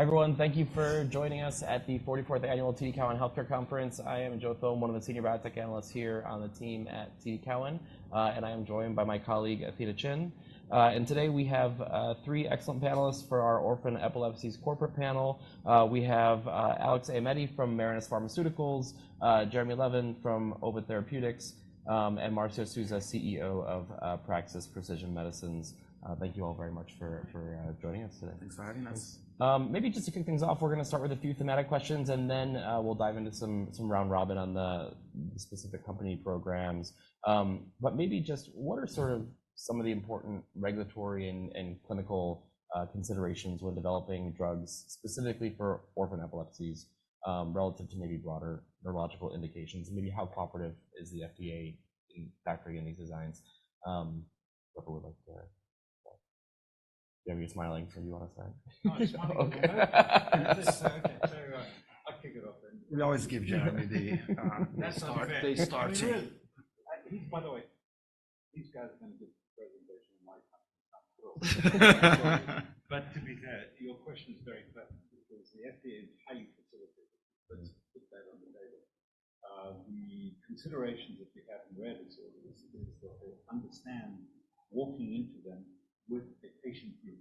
Everyone, thank you for joining us at the 44th Annual TD Cowen Healthcare Conference. I am Joe Thome, one of the senior biotech analysts here on the team at TD Cowen, and I am joined by my colleague, Athena Chin. Today we have three excellent panelists for our orphan epilepsies corporate panel. We have Alex Aimetti from Marinus Pharmaceuticals, Jeremy Levin from Ovid Therapeutics, and Marcio Souza, CEO of Praxis Precision Medicines. Thank you all very much for joining us today. Thanks for having us. Maybe just to kick things off, we're going to start with a few thematic questions, and then we'll dive into some round-robin on the specific company programs. But maybe just what are sort of some of the important regulatory and clinical considerations when developing drugs, specifically for orphan epilepsies, relative to maybe broader neurological indications? Maybe how cooperative is the FDA in factoring in these designs? If you have your smiling for you on a side. Oh, sure. Very well. I'll kick it off then. We always give Jeremy the start to. By the way, these guys are going to give the presentation in my company sometime soon. But to be fair, your question is very pertinent because the FDA is highly facilitative. Let's put that on the table. The considerations, if you haven't read it, is that they understand walking into them with a patient group,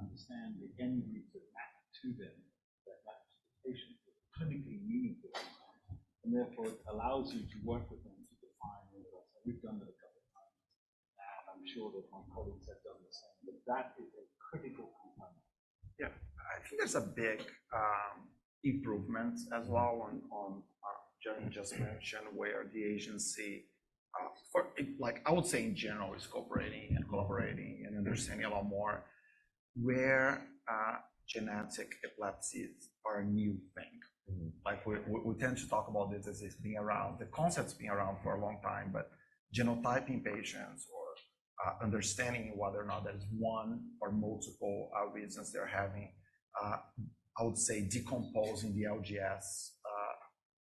understand the end groups that map to them, that map to the patient, is clinically meaningful sometimes, and therefore it allows you to work with them to define neuropsychiatry. We've done that a couple of times, and I'm sure that my colleagues have done the same. But that is a critical component. Yeah. I think there's a big improvement as well on what Jeremy just mentioned, where the agency, I would say in general, is cooperating and collaborating and understanding a lot more where genetic epilepsies are a new thing. We tend to talk about this as being around the concept's been around for a long time, but genotyping patients or understanding whether or not there's one or multiple reasons they're having, I would say, decomposing the LGS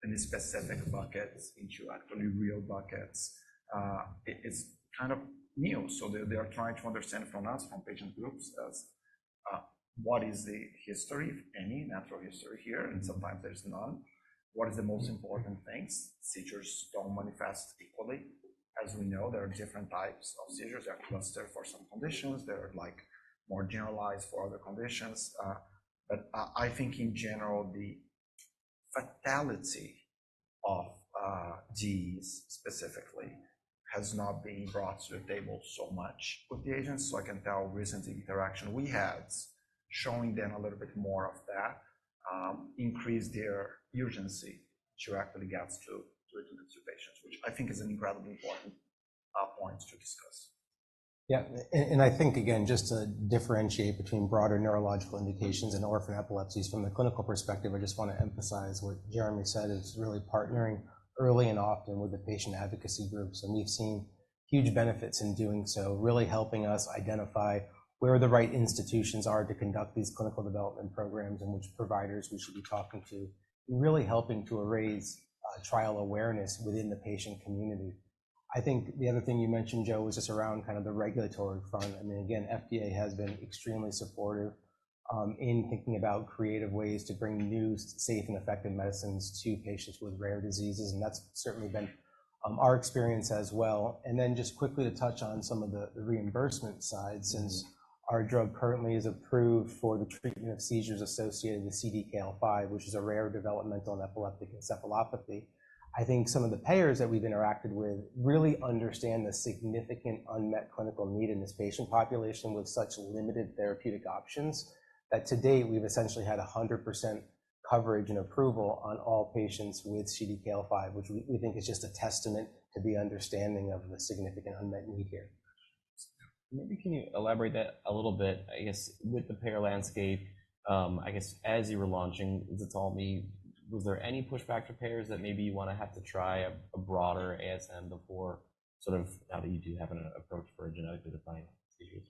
in specific buckets into actually real buckets is kind of new. So they are trying to understand from us, from patient groups, what is the history, if any, natural history here, and sometimes there's none. What are the most important things? Seizures don't manifest equally. As we know, there are different types of seizures. They're clustered for some conditions. They're more generalized for other conditions. But I think, in general, the fatality of these specifically has not been brought to the table so much with the agents. So, I can tell, recent interaction we had showing them a little bit more of that increased their urgency to actually get to treatments with patients, which I think is an incredibly important point to discuss. Yeah. And I think, again, just to differentiate between broader neurological indications and orphan epilepsies from the clinical perspective, I just want to emphasize what Jeremy said is really partnering early and often with the patient advocacy groups. And we've seen huge benefits in doing so, really helping us identify where the right institutions are to conduct these clinical development programs and which providers we should be talking to, and really helping to raise trial awareness within the patient community. I think the other thing you mentioned, Joe, was just around kind of the regulatory front. I mean, again, the FDA has been extremely supportive in thinking about creative ways to bring new, safe, and effective medicines to patients with rare diseases. And that's certainly been our experience as well. Then just quickly to touch on some of the reimbursement side, since our drug currently is approved for the treatment of seizures associated with CDKL5, which is a rare developmental and epileptic encephalopathy, I think some of the payers that we've interacted with really understand the significant unmet clinical need in this patient population with such limited therapeutic options that today we've essentially had 100% coverage and approval on all patients with CDKL5, which we think is just a testament to the understanding of the significant unmet need here. Maybe can you elaborate that a little bit, I guess, with the payer landscape? I guess, as you were launching, is it all me? Was there any pushback to payers that maybe you want to have to try a broader ASM before sort of now that you do have an approach for genetically defined seizures?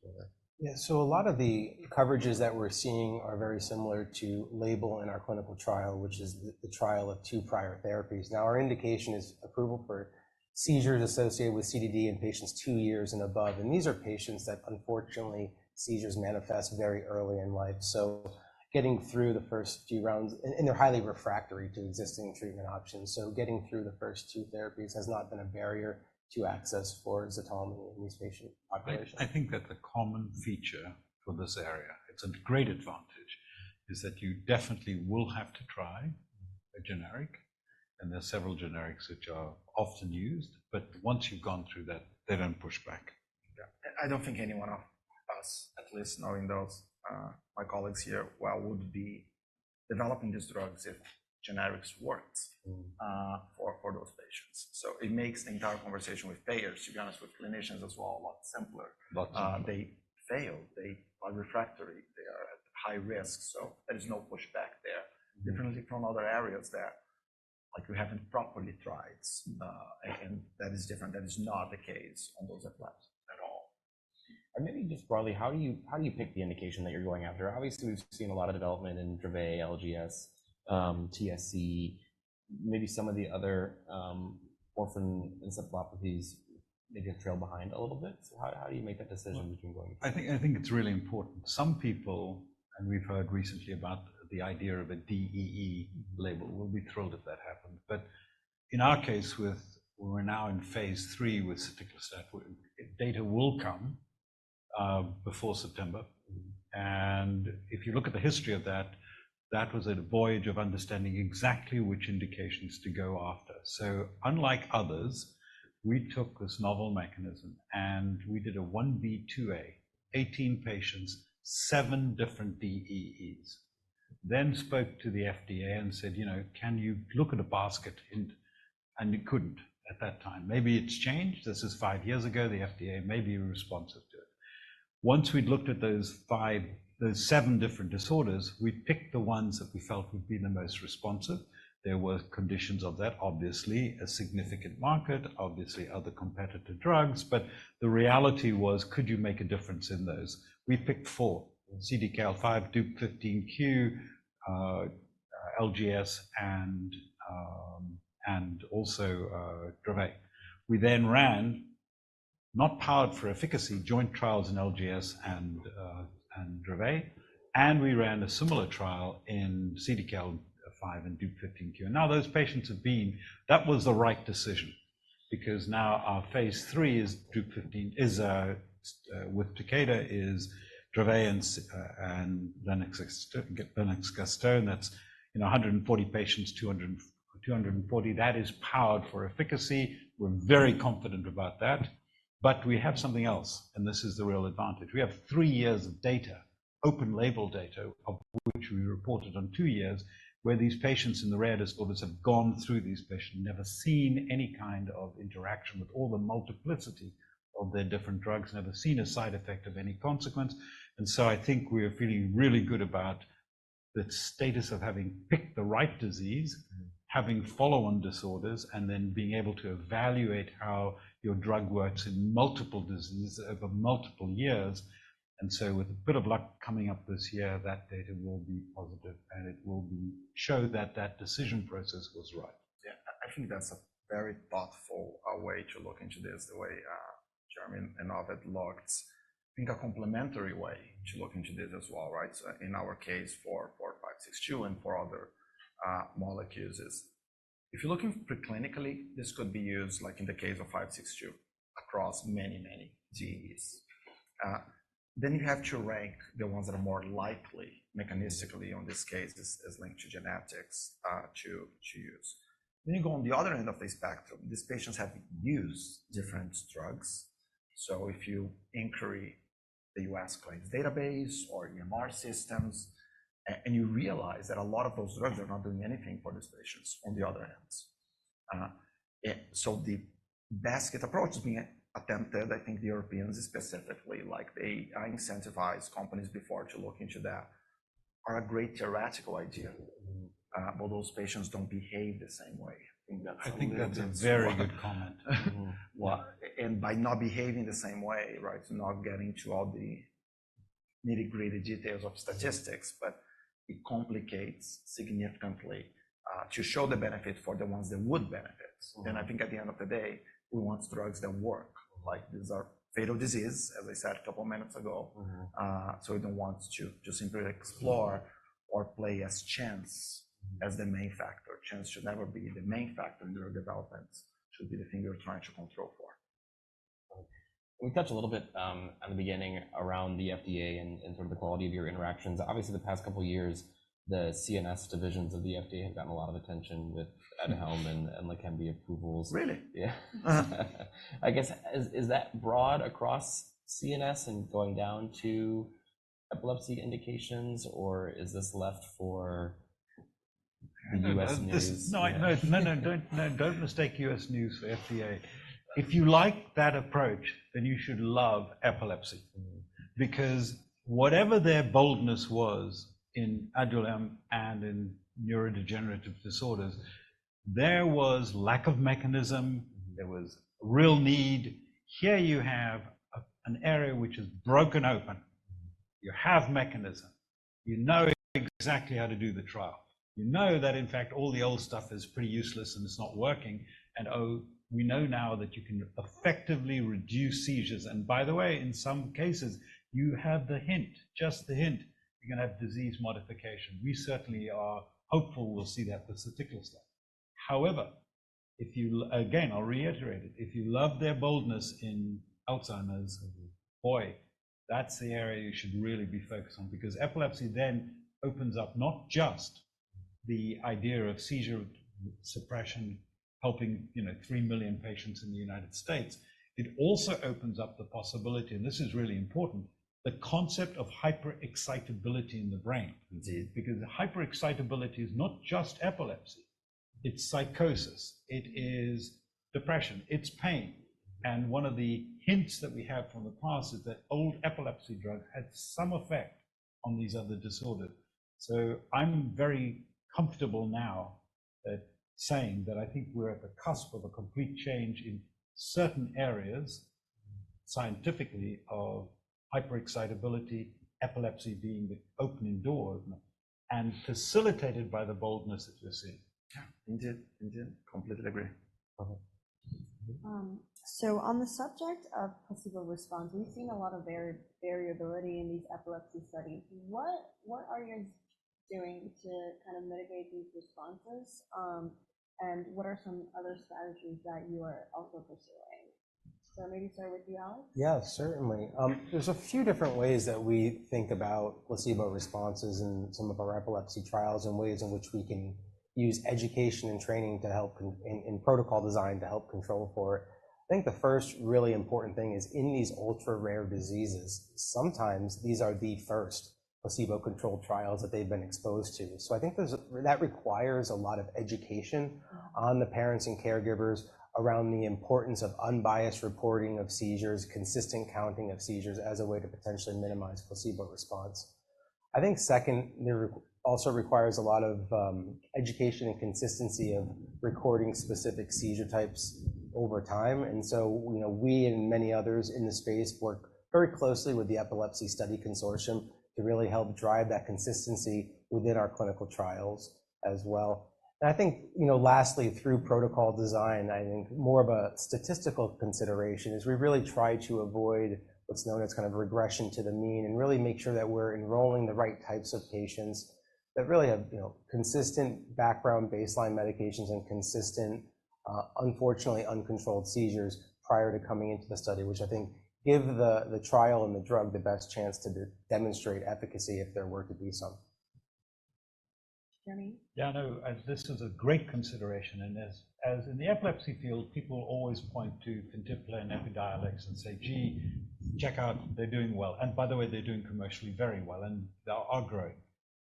Yeah. So a lot of the coverages that we're seeing are very similar to label in our clinical trial, which is the trial of two prior therapies. Now, our indication is approval for seizures associated with CDD in patients two years and above. And these are patients that, unfortunately, seizures manifest very early in life. So getting through the first few rounds, and they're highly refractory to existing treatment options, so getting through the first two therapies has not been a barrier to access for Ztalmy in these patient populations. I think that the common feature for this area, it's a great advantage, is that you definitely will have to try a generic. There are several generics which are often used. Once you've gone through that, they don't push back. Yeah. I don't think anyone of us, at least knowing my colleagues here, would be developing these drugs if generics worked for those patients. So it makes the entire conversation with payers, to be honest, with clinicians as well, a lot simpler. They fail. They are refractory. They are at high risk. So there is no pushback there. Definitely from other areas there, we haven't properly tried it. And that is different. That is not the case on those epilepsy at all. Maybe just broadly, how do you pick the indication that you're going after? Obviously, we've seen a lot of development in Dravet, LGS, TSC. Maybe some of the other orphan encephalopathies maybe have trailed behind a little bit. So how do you make that decision between going for it? I think it's really important. Some people, and we've heard recently about the idea of a DEE label, would be thrilled if that happened. But in our case, we're now in phase III with soticlestat. Data will come before September. And if you look at the history of that, that was a voyage of understanding exactly which indications to go after. So unlike others, we took this novel mechanism, and we did a 1b/2a, 18 patients, seven different DEEs, then spoke to the FDA and said, "Can you look at a basket?" And you couldn't at that time. Maybe it's changed. This is five years ago. The FDA may be responsive to it. Once we'd looked at those seven different disorders, we picked the ones that we felt would be the most responsive. There were conditions of that, obviously, a significant market, obviously, other competitor drugs. But the reality was, could you make a difference in those? We picked four: CDKL5, DUP15Q, LGS, and also Dravet. We then ran, not powered for efficacy, joint trials in LGS and Dravet. And we ran a similar trial in CDKL5 and DUP15Q. And now those patients have been that was the right decision because now our phase three is DUP15q with Takeda, is Dravet, and Lennox-Gastaut. That's 140 patients, 240. That is powered for efficacy. We're very confident about that. But we have something else. And this is the real advantage. We have three years of data, open-label data, of which we reported on two years, where these patients in the rare disorders have gone through these patients, never seen any kind of interaction with all the multiplicity of their different drugs, never seen a side effect of any consequence. I think we are feeling really good about the status of having picked the right disease, having follow-on disorders, and then being able to evaluate how your drug works in multiple diseases over multiple years. With a bit of luck coming up this year, that data will be positive, and it will show that that decision process was right. Yeah. I think that's a very thoughtful way to look into this, the way Jeremy and Ovid laid out. I think a complementary way to look into this as well, right? So in our case for PRAX-562 and for other molecules, if you're looking preclinically, this could be used in the case of PRAX-562 across many, many DEEs. Then you have to rank the ones that are more likely mechanistically on this case as linked to genetics to use. Then you go on the other end of this spectrum. These patients have used different drugs. So if you inquire the U.S. claims database or EMR systems and you realize that a lot of those drugs are not doing anything for these patients on the other end, so the basket approach is being attempted. I think the Europeans, specifically, they incentivize companies before to look into that. Are a great theoretical idea, but those patients don't behave the same way. I think that's a very good comment. By not behaving the same way, right, not getting into all the nitty-gritty details of statistics, but it complicates significantly to show the benefit for the ones that would benefit. I think at the end of the day, we want drugs that work. These are fatal diseases, as I said a couple of minutes ago. We don't want to simply explore or play as chance as the main factor. Chance should never be the main factor in drug development. It should be the thing you're trying to control for. We touched a little bit at the beginning around the FDA and sort of the quality of your interactions. Obviously, the past couple of years, the CNS divisions of the FDA have gotten a lot of attention with Aduhelm and the Leqembi approvals. Really? Yeah. I guess, is that broad across CNS and going down to epilepsy indications, or is this left for the U.S. news? No, no, no. Don't mistake U.S. news for FDA. If you like that approach, then you should love epilepsy because whatever their boldness was in Aduhelm and in neurodegenerative disorders, there was lack of mechanism. There was real need. Here you have an area which is broken open. You have mechanism. You know exactly how to do the trial. You know that, in fact, all the old stuff is pretty useless and it's not working. And oh, we know now that you can effectively reduce seizures. And by the way, in some cases, you have the hint, just the hint, you're going to have disease modification. We certainly are hopeful we'll see that with soticlestat. However, again, I'll reiterate it. If you love their boldness in Alzheimer's, boy, that's the area you should really be focused on because epilepsy then opens up not just the idea of seizure suppression, helping 3 million patients in the United States. It also opens up the possibility - and this is really important - the concept of hyperexcitability in the brain because hyperexcitability is not just epilepsy. It's psychosis. It's depression. It's pain. And one of the hints that we have from the past is that old epilepsy drugs had some effect on these other disorders. So I'm very comfortable now saying that I think we're at the cusp of a complete change in certain areas, scientifically, of hyperexcitability, epilepsy being the opening door and facilitated by the boldness that we're seeing. Yeah. Indeed. Indeed. Completely agree. On the subject of placebo response, we've seen a lot of variability in these epilepsy studies. What are you doing to kind of mitigate these responses, and what are some other strategies that you are also pursuing? Maybe start with you, Alex. Yeah, certainly. There's a few different ways that we think about placebo responses in some of our epilepsy trials and ways in which we can use education and training in protocol design to help control for it. I think the first really important thing is in these ultra-rare diseases, sometimes these are the first placebo-controlled trials that they've been exposed to. So I think that requires a lot of education on the parents and caregivers around the importance of unbiased reporting of seizures, consistent counting of seizures as a way to potentially minimize placebo response. I think, second, it also requires a lot of education and consistency of recording specific seizure types over time. And so we and many others in the space work very closely with the Epilepsy Study Consortium to really help drive that consistency within our clinical trials as well. I think, lastly, through protocol design, I think more of a statistical consideration is we really try to avoid what's known as kind of regression to the mean and really make sure that we're enrolling the right types of patients that really have consistent background baseline medications and consistent, unfortunately, uncontrolled seizures prior to coming into the study, which I think give the trial and the drug the best chance to demonstrate efficacy if there were to be some. Jeremy? Yeah. No, this is a great consideration. And as in the epilepsy field, people always point to Fintepla and Epidiolex and say, "Gee, check out. They're doing well. And by the way, they're doing commercially very well, and they are growing."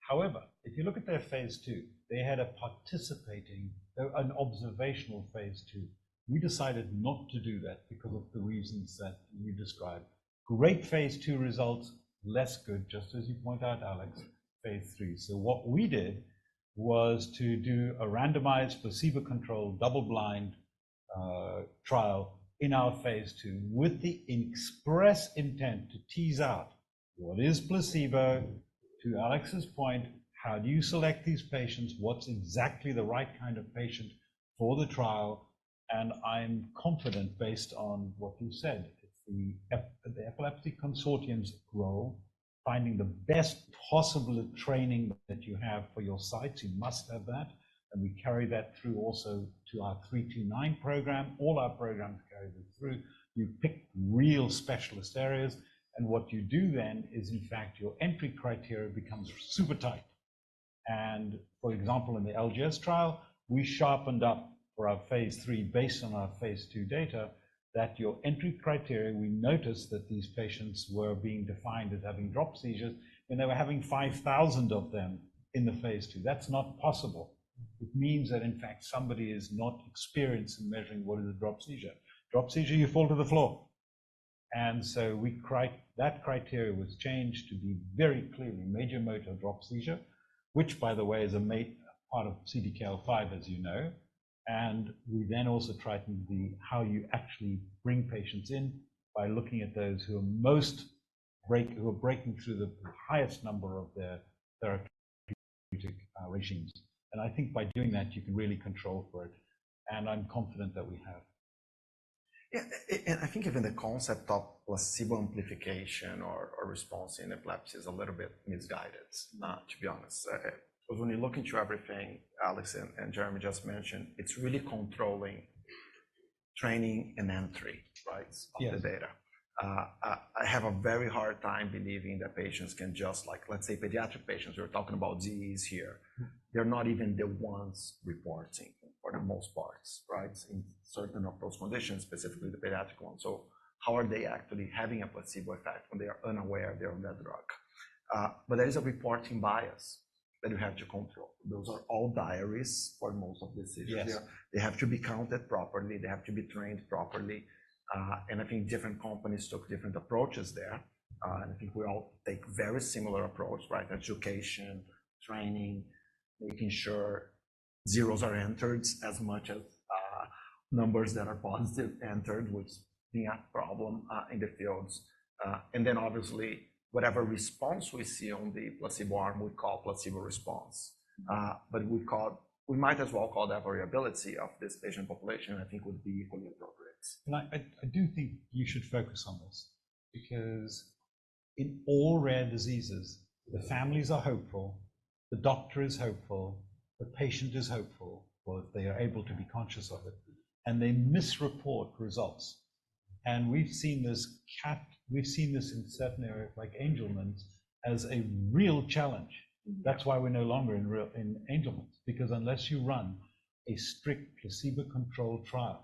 However, if you look at their phase two, they had an observational phase two. We decided not to do that because of the reasons that you described. Great phase two results, less good, just as you point out, Alex, phase three. So what we did was to do a randomized placebo-controlled double-blind trial in our phase two with the express intent to tease out what is placebo. To Alex's point, how do you select these patients? What's exactly the right kind of patient for the trial? I'm confident, based on what you said, it's the Epilepsy Consortium's role finding the best possible training that you have for your sites. You must have that. We carry that through also to our 329 program. All our programs carry this through. You pick real specialist areas. What you do then is, in fact, your entry criteria becomes super tight. For example, in the LGS trial, we sharpened up for our phase III based on our phase II data that your entry criteria, we noticed that these patients were being defined as having drop seizures. They were having 5,000 of them in the phase II. That's not possible. It means that, in fact, somebody is not experienced in measuring what is a drop seizure. Drop seizure, you fall to the floor. And so that criteria was changed to be very clearly major motor drop seizure, which, by the way, is a part of CDKL5, as you know. We then also tightened how you actually bring patients in by looking at those who are breaking through the highest number of their therapeutic regimes. I think by doing that, you can really control for it. I'm confident that we have. Yeah. And I think even the concept of placebo amplification or response in epilepsy is a little bit misguided, to be honest. Because when you look into everything Alex and Jeremy just mentioned, it's really controlling training and entry, right, of the data. I have a very hard time believing that patients can just like, let's say, pediatric patients, we were talking about DEEs here. They're not even the ones reporting, for the most part, right, in certain of those conditions, specifically the pediatric ones. So how are they actually having a placebo effect when they are unaware they're on that drug? But there is a reporting bias that you have to control. Those are all diaries for most of the seizures. They have to be counted properly. They have to be trained properly. And I think different companies took different approaches there. I think we all take very similar approaches, right, education, training, making sure zeros are entered as much as numbers that are positive entered, which being a problem in the fields. And then, obviously, whatever response we see on the placebo arm, we call placebo response. But we might as well call that variability of this patient population, I think, would be equally appropriate. And I do think you should focus on this because in all rare diseases, the families are hopeful, the doctor is hopeful, the patient is hopeful that they are able to be conscious of it, and they misreport results. And we've seen this in certain areas like Angelman's as a real challenge. That's why we're no longer in Angelman's, because unless you run a strict placebo-controlled trial,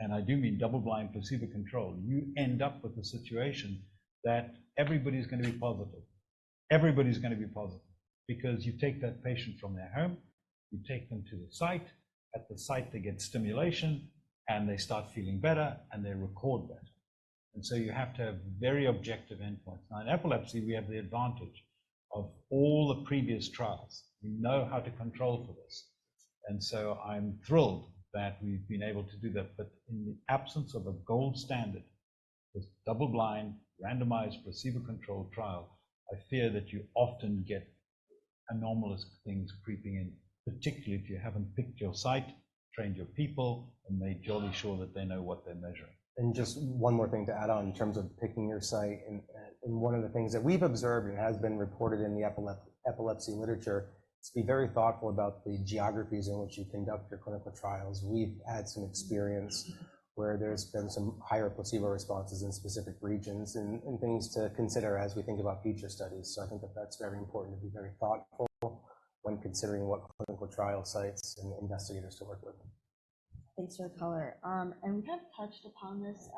and I do mean double-blind placebo control, you end up with a situation that everybody's going to be positive. Everybody's going to be positive because you take that patient from their home, you take them to the site, at the site, they get stimulation, and they start feeling better, and they record better. And so you have to have very objective endpoints. Now, in epilepsy, we have the advantage of all the previous trials. We know how to control for this. And so I'm thrilled that we've been able to do that. But in the absence of a gold standard, this double-blind randomized placebo-controlled trial, I fear that you often get anomalous things creeping in, particularly if you haven't picked your site, trained your people, and made jolly sure that they know what they're measuring. Just one more thing to add on in terms of picking your site. One of the things that we've observed and has been reported in the epilepsy literature is to be very thoughtful about the geographies in which you conduct your clinical trials. We've had some experience where there's been some higher placebo responses in specific regions and things to consider as we think about future studies. I think that that's very important to be very thoughtful when considering what clinical trial sites and investigators to work with. Thanks, great color. And we kind of touched upon this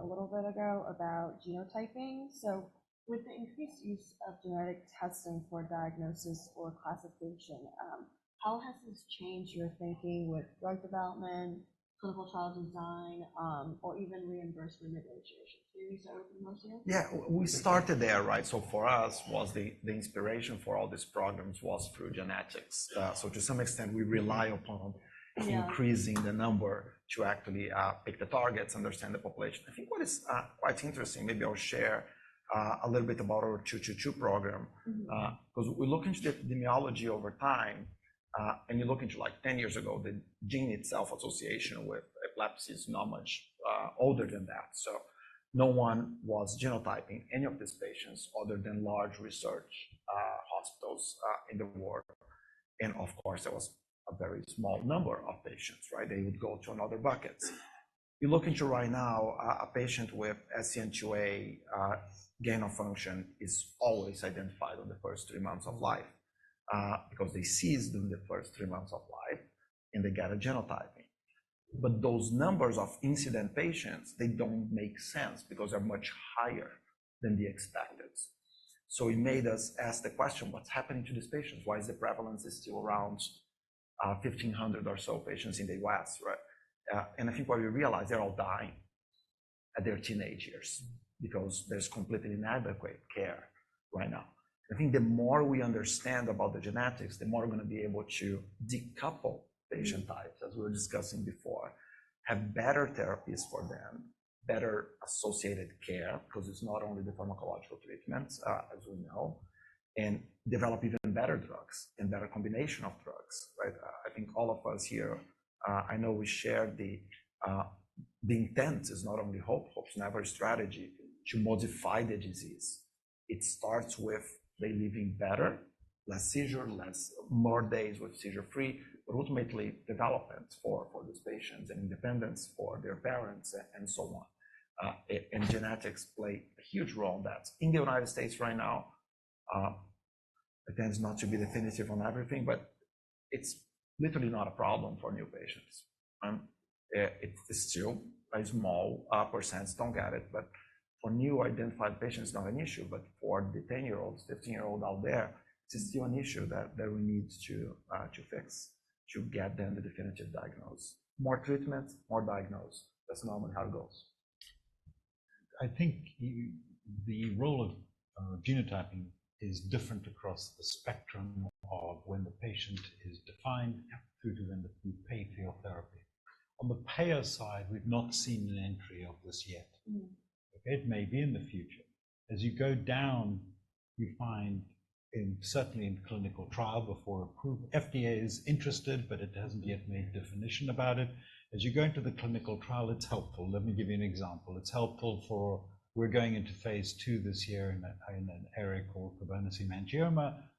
a little bit ago about genotyping. So with the increased use of genetic testing for diagnosis or classification, how has this changed your thinking with drug development, clinical trial design, or even reimbursement negotiations? Maybe you said it was the most recent? Yeah. We started there, right? So for us, the inspiration for all these programs was through genetics. So to some extent, we rely upon increasing the number to actually pick the targets, understand the population. I think what is quite interesting, maybe I'll share a little bit about our 222 program because we look into the epidemiology over time, and you look into like 10 years ago, the gene itself association with epilepsy is not much older than that. So no one was genotyping any of these patients other than large research hospitals in the world. And of course, there was a very small number of patients, right? They would go to another bucket. you look into right now, a patient with SCN2A gain of function is always identified in the first three months of life because they seize in the first three months of life, and they get a genotyping. But those numbers of incident patients, they don't make sense because they're much higher than the expected. So it made us ask the question, what's happening to these patients? Why is the prevalence still around 1,500 or so patients in the U.S., right? And I think what we realized, they're all dying in their teenage years because there's completely inadequate care right now. I think the more we understand about the genetics, the more we're going to be able to decouple patient types, as we were discussing before, have better therapies for them, better associated care because it's not only the pharmacological treatments, as we know, and develop even better drugs and better combination of drugs, right? I think all of us here, I know we shared the intent is not only hope, hope's never a strategy to modify the disease. It starts with they living better, less seizure, more days with seizure-free, but ultimately, development for these patients and independence for their parents and so on. Genetics play a huge role. In the United States right now, it tends not to be definitive on everything, but it's literally not a problem for new patients. It's still a small percentage. Don't get it. But for new identified patients, it's not an issue. But for the 10-year-olds, 15-year-olds out there, it's still an issue that we need to fix to get them the definitive diagnosis. More treatment, more diagnosis. That's normally how it goes. I think the role of genotyping is different across the spectrum of when the patient is defined through to when you pay for your therapy. On the payer side, we've not seen an entry of this yet. Okay? It may be in the future. As you go down, you find, certainly in clinical trial before approved, FDA is interested, but it hasn't yet made definition about it. As you go into the clinical trial, it's helpful. Let me give you an example. It's helpful for we're going into phase II this year in an area called cerebral cavernous malformations.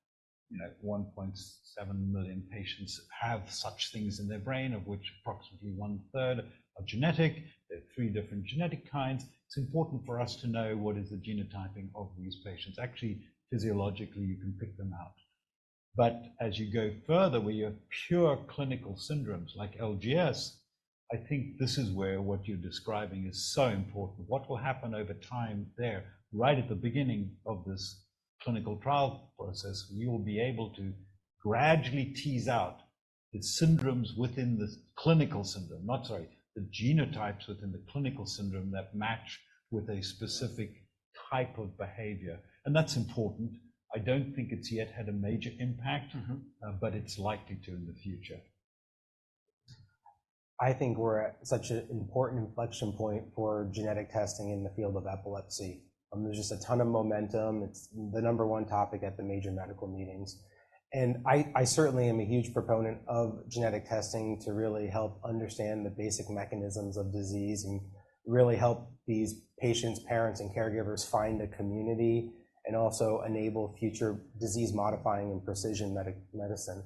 1.7 million patients have such things in their brain, of which approximately one-third are genetic. There are three different genetic kinds. It's important for us to know what is the genotyping of these patients. Actually, physiologically, you can pick them out. But as you go further where you have pure clinical syndromes like LGS, I think this is where what you're describing is so important. What will happen over time there, right at the beginning of this clinical trial process, we will be able to gradually tease out the syndromes within the clinical syndrome not, sorry, the genotypes within the clinical syndrome that match with a specific type of behavior. And that's important. I don't think it's yet had a major impact, but it's likely to in the future. I think we're at such an important inflection point for genetic testing in the field of epilepsy. There's just a ton of momentum. It's the number one topic at the major medical meetings. And I certainly am a huge proponent of genetic testing to really help understand the basic mechanisms of disease and really help these patients, parents, and caregivers find a community and also enable future disease-modifying and precision medicine.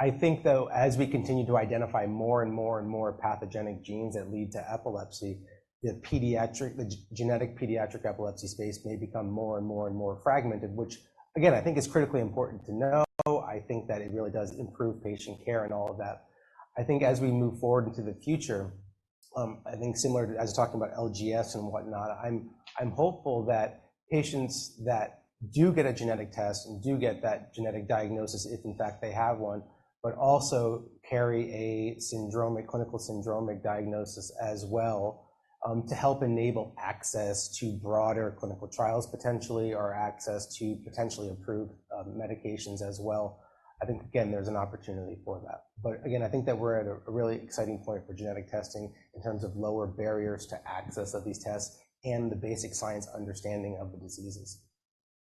I think, though, as we continue to identify more and more and more pathogenic genes that lead to epilepsy, the genetic pediatric epilepsy space may become more and more and more fragmented, which, again, I think is critically important to know. I think that it really does improve patient care and all of that. I think as we move forward into the future, I think similar to as you're talking about LGS and whatnot, I'm hopeful that patients that do get a genetic test and do get that genetic diagnosis, if in fact they have one, but also carry a clinical syndromic diagnosis as well to help enable access to broader clinical trials, potentially, or access to potentially approved medications as well. I think, again, there's an opportunity for that. But again, I think that we're at a really exciting point for genetic testing in terms of lower barriers to access of these tests and the basic science understanding of the diseases.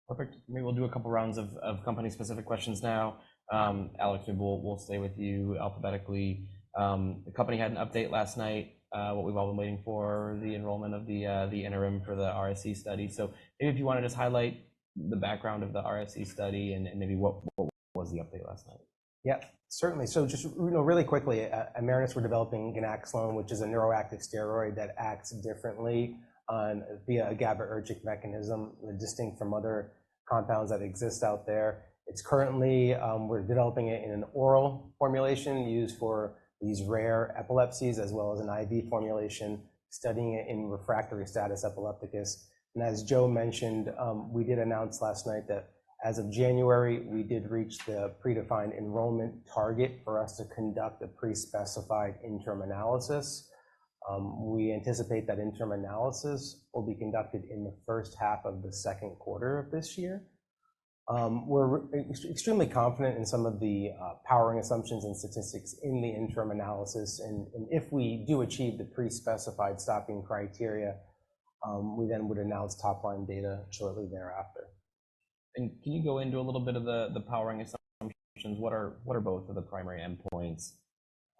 Perfect. Maybe we'll do a couple of rounds of company-specific questions now. Alex, we'll stay with you alphabetically. The company had an update last night, what we've all been waiting for, the enrollment of the interim for the RAISE study. So maybe if you want to just highlight the background of the RAISE study and maybe what was the update last night. Yeah, certainly. So just really quickly, At Marinus, we're developing ganaxolone, which is a neuroactive steroid that acts differently via a GABAergic mechanism, distinct from other compounds that exist out there. We're developing it in an oral formulation used for these rare epilepsies as well as an IV formulation, studying it in refractory status epilepticus. And as Joe mentioned, we did announce last night that as of January, we did reach the predefined enrollment target for us to conduct a prespecified interim analysis. We anticipate that interim analysis will be conducted in the first half of the second quarter of this year. We're extremely confident in some of the powering assumptions and statistics in the interim analysis. And if we do achieve the prespecified stopping criteria, we then would announce top-line data shortly thereafter. Can you go into a little bit of the powering assumptions? What are both of the primary endpoints?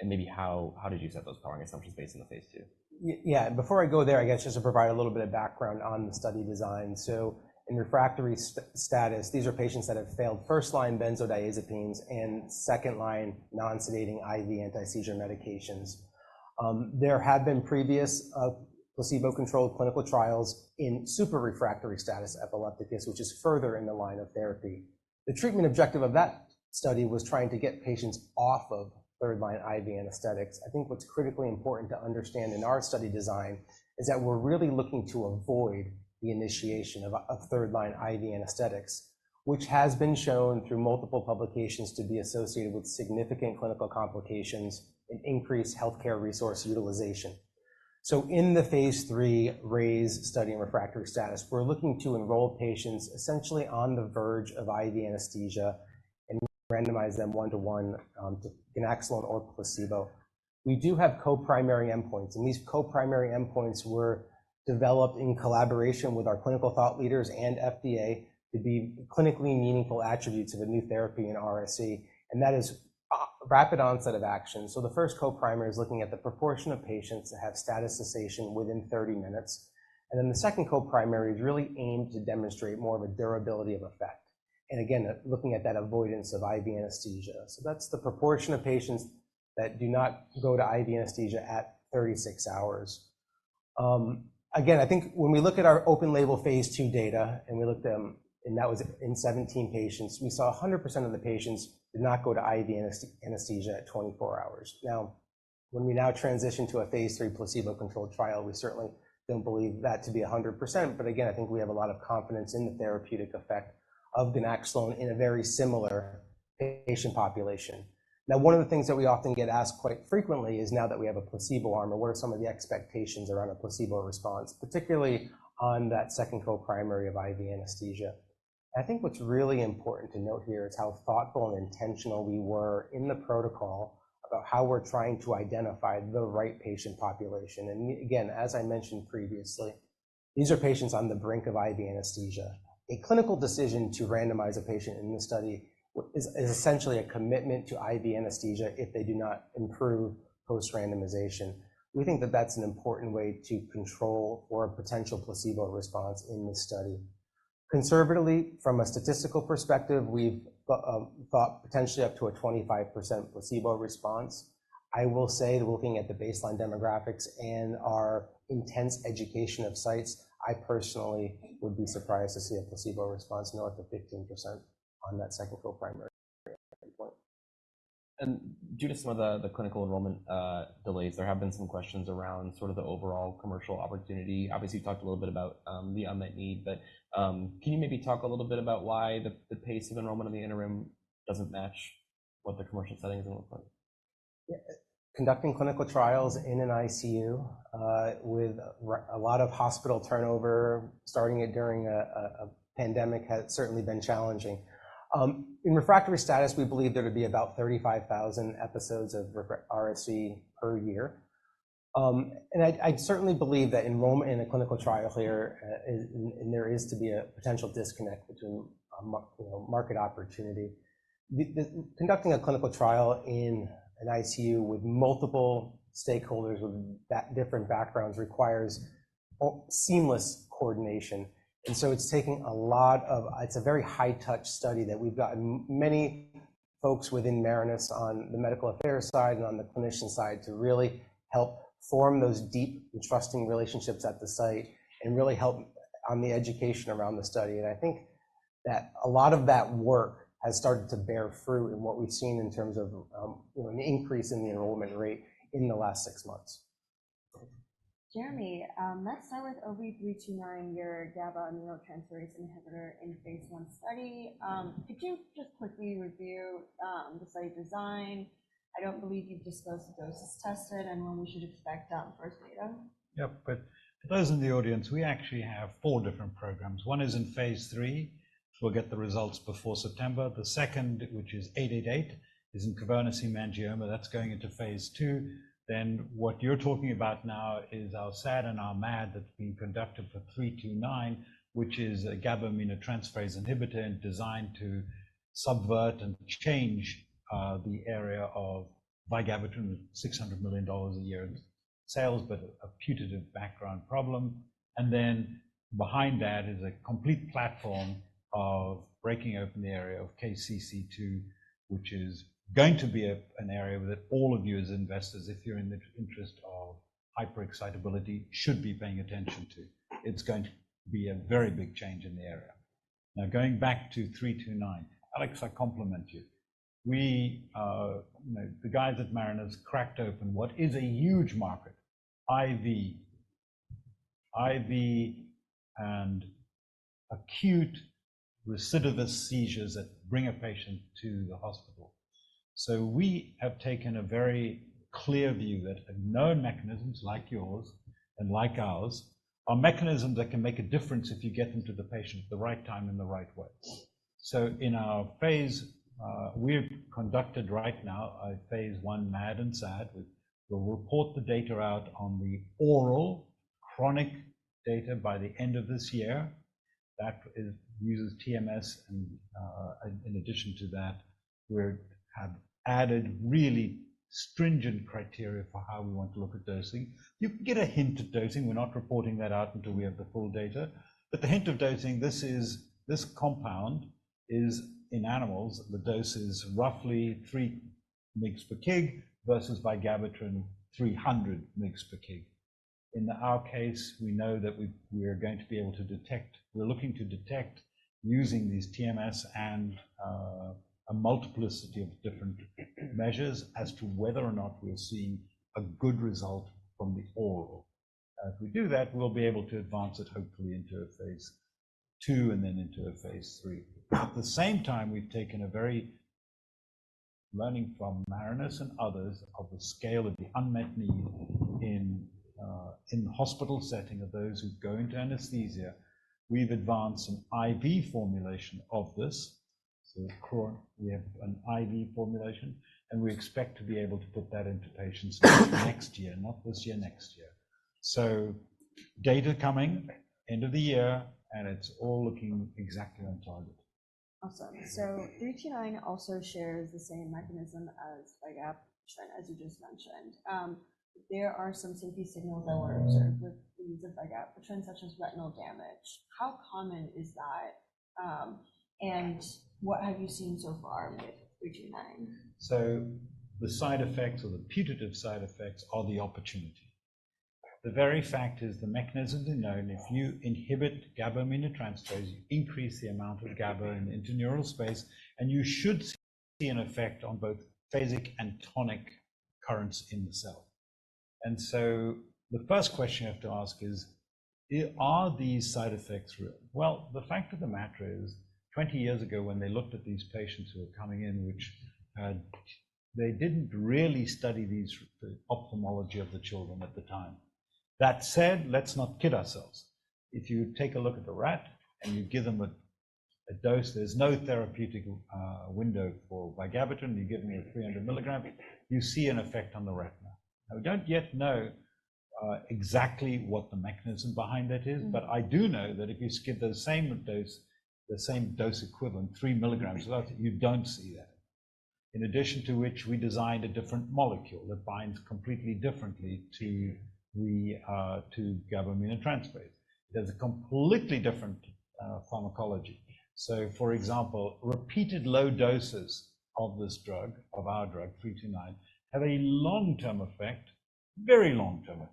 Maybe how did you set those powering assumptions based on the phase II? Yeah. Before I go there, I guess just to provide a little bit of background on the study design. So in refractory status, these are patients that have failed first-line benzodiazepines and second-line non-sedating IV anti-seizure medications. There have been previous placebo-controlled clinical trials in super-refractory status epilepticus, which is further in the line of therapy. The treatment objective of that study was trying to get patients off of third-line IV anesthetics. I think what's critically important to understand in our study design is that we're really looking to avoid the initiation of third-line IV anesthetics, which has been shown through multiple publications to be associated with significant clinical complications and increased healthcare resource utilization. So in the phase III RAISE study in refractory status, we're looking to enroll patients essentially on the verge of IV anesthesia and randomize them 1-to-1 to ganaxolone or placebo. We do have co-primary endpoints. These co-primary endpoints were developed in collaboration with our clinical thought leaders and FDA to be clinically meaningful attributes of a new therapy in RSE. And that is rapid onset of action. So the first co-primary is looking at the proportion of patients that have status cessation within 30 minutes. And then the second co-primary is really aimed to demonstrate more of a durability of effect. And again, looking at that avoidance of IV anesthesia. So that's the proportion of patients that do not go to IV anesthesia at 36 hours. Again, I think when we look at our open-label phase II data and we looked at them, and that was in 17 patients, we saw 100% of the patients did not go to IV anesthesia at 24 hours. Now, when we now transition to a phase III placebo-controlled trial, we certainly don't believe that to be 100%. But again, I think we have a lot of confidence in the therapeutic effect of ganaxolone in a very similar patient population. Now, one of the things that we often get asked quite frequently is now that we have a placebo arm, what are some of the expectations around a placebo response, particularly on that second co-primary of IV anesthesia? I think what's really important to note here is how thoughtful and intentional we were in the protocol about how we're trying to identify the right patient population. And again, as I mentioned previously, these are patients on the brink of IV anesthesia. A clinical decision to randomize a patient in the study is essentially a commitment to IV anesthesia if they do not improve post-randomization. We think that that's an important way to control for a potential placebo response in this study. Conservatively, from a statistical perspective, we've thought potentially up to a 25% placebo response. I will say that looking at the baseline demographics and our intense education of sites, I personally would be surprised to see a placebo response north of 15% on that second co-primary endpoint. Due to some of the clinical enrollment delays, there have been some questions around sort of the overall commercial opportunity. Obviously, you've talked a little bit about the unmet need. Can you maybe talk a little bit about why the pace of enrollment in the interim doesn't match what the commercial settings look like? Yeah. Conducting clinical trials in an ICU with a lot of hospital turnover, starting it during a pandemic, has certainly been challenging. In refractory status epilepticus, we believe there to be about 35,000 episodes of RSE per year. I certainly believe that enrollment in a clinical trial here, and there is to be a potential disconnect between market opportunity. Conducting a clinical trial in an ICU with multiple stakeholders with different backgrounds requires seamless coordination. So it's taking a lot of it's a very high-touch study that we've gotten many folks within Marinus on the medical affairs side and on the clinician side to really help form those deep and trusting relationships at the site and really help on the education around the study. I think that a lot of that work has started to bear fruit in what we've seen in terms of an increase in the enrollment rate in the last six months. Jeremy, let's start with OV329, your GABA-aminotransferase inhibitor in phase I study. Could you just quickly review the study design? I don't believe you've disclosed doses tested and when we should expect first data. Yep. But for those in the audience, we actually have four different programs. One is in phase three, so we'll get the results before September. The second, which is 888, is in cerebral cavernous malformations. That's going into phase two. Then what you're talking about now is our SAD and our MAD that's being conducted for 329, which is a GABA-aminotransferase inhibitor designed to subvert and change the area of vigabatrin $600 million a year in sales, but a putative background problem. And then behind that is a complete platform of breaking open the area of KCC2, which is going to be an area that all of you as investors, if you're in the interest of hyperexcitability, should be paying attention to. It's going to be a very big change in the area. Now, going back to 329, Alex, I compliment you. The guys at Marinus cracked open what is a huge market: IV and acute refractory seizures that bring a patient to the hospital. We have taken a very clear view that known mechanisms like yours and like ours are mechanisms that can make a difference if you get them to the patient at the right time in the right way. In our phase we've conducted right now a phase one MAD and SAD. We'll report the data out on the oral chronic data by the end of this year. That uses TMS. In addition to that, we have added really stringent criteria for how we want to look at dosing. You can get a hint of dosing. We're not reporting that out until we have the full data. But the hint of dosing, this compound is in animals. The dose is roughly 3 mg/kg versus vigabatrin 300 mg/kg. In our case, we know that we are going to be able to detect we're looking to detect using these TMS and a multiplicity of different measures as to whether or not we're seeing a good result from the oral. If we do that, we'll be able to advance it, hopefully, into a phase II and then into a phase III. At the same time, we've taken learnings from Marinus and others of the scale of the unmet need in the hospital setting of those who go into anesthesia. We've advanced an IV formulation of this. So we have an IV formulation, and we expect to be able to put that into patients next year, not this year, next year. So data coming end of the year, and it's all looking exactly on target. Awesome. So 329 also shares the same mechanism as vigabatrin, as you just mentioned. There are some syncope signals that were observed with the use of vigabatrin, such as retinal damage. How common is that? And what have you seen so far with 329? So the side effects or the putative side effects are the opportunity. The very fact is the mechanisms are known. If you inhibit GABA-aminotransferase, you increase the amount of GABA in the extraneuronal space, and you should see an effect on both phasic and tonic currents in the cell. And so the first question you have to ask is, are these side effects real? Well, the fact of the matter is, 20 years ago, when they looked at these patients who were coming in, they didn't really study the ophthalmology of the children at the time. That said, let's not kid ourselves. If you take a look at the rat and you give them a dose, there's no therapeutic window for vigabatrin. You give them a 300 mg. You see an effect on the retina. Now, we don't yet know exactly what the mechanism behind that is. I do know that if you give the same dose, the same dose equivalent, three milligrams, you don't see that. In addition to which, we designed a different molecule that binds completely differently to GABA-aminotransferase. It has a completely different pharmacology. So, for example, repeated low doses of this drug, of our drug 329, have a long-term effect, very long-term effect.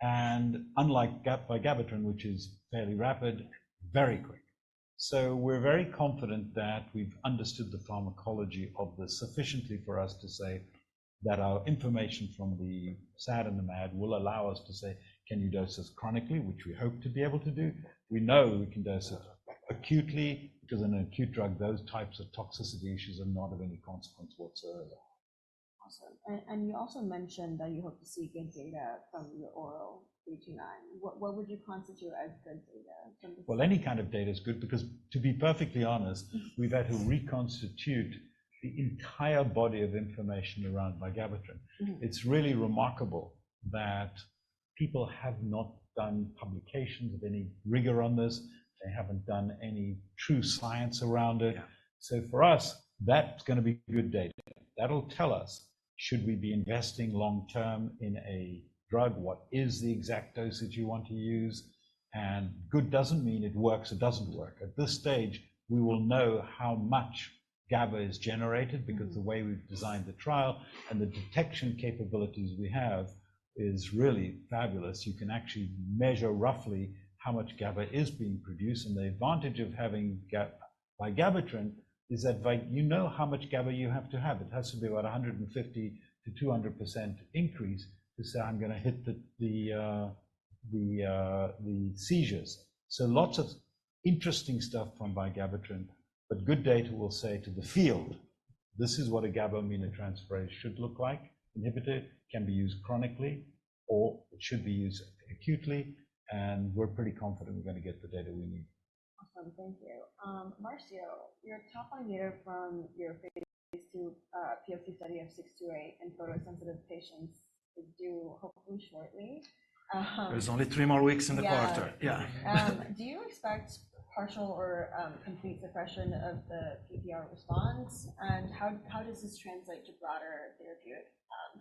And unlike vigabatrin, which is fairly rapid, very quick. So we're very confident that we've understood the pharmacology of this sufficiently for us to say that our information from the SAD and the MAD will allow us to say, can you dose this chronically, which we hope to be able to do? We know we can dose it acutely because in an acute drug, those types of toxicity issues are not of any consequence whatsoever. Awesome. And you also mentioned that you hope to see good data from your oral OV329. What would you constitute as good data from this? Well, any kind of data is good because, to be perfectly honest, we've had to reconstitute the entire body of information around vigabatrin. It's really remarkable that people have not done publications of any rigor on this. They haven't done any true science around it. So for us, that's going to be good data. That'll tell us, should we be investing long-term in a drug, what is the exact dosage you want to use? And good doesn't mean it works. It doesn't work. At this stage, we will know how much GABA is generated because the way we've designed the trial and the detection capabilities we have is really fabulous. You can actually measure roughly how much GABA is being produced. And the advantage of having vigabatrin is that you know how much GABA you have to have. It has to be about 150%-200% increase to say, I'm going to hit the seizures. So lots of interesting stuff from vigabatrin. But good data will say to the field, this is what a GABA-aminotransferase should look like. Inhibitor can be used chronically, or it should be used acutely. And we're pretty confident we're going to get the data we need. Awesome. Thank you. Marcio, you're top on the order from your phase II POC study of 628 and photosensitive patients is due hopefully shortly. There's only three more weeks in the quarter. Yeah. Do you expect partial or complete suppression of the PPR response? And how does this translate to broader therapeutic